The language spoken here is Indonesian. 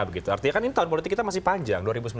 begitu artinya kan ini tahun politik kita masih panjang